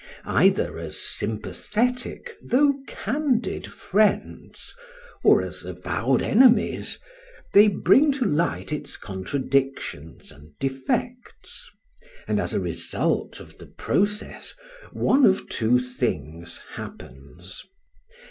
Either as sympathetic, though candid, friends, or as avowed enemies, they bring to light its contradictions and defects; and as a result of the process one of two things happens.